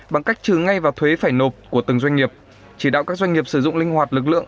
bằng cách trừ ngay vào thuế phải nộp của từng doanh nghiệp chỉ đạo các doanh nghiệp sử dụng linh hoạt lực lượng